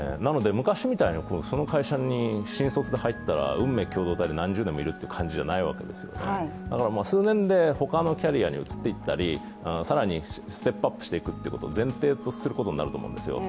昔みたいにその会社に新卒で入ったら運命共同体で何十年もいるわけじゃないので、だから、数年で他のキャリアに移っていったり、更にステップアップすることが前提とすることになると思うんですよ。